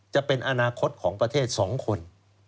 จะเป็นอนาคตของประเทศ๒คน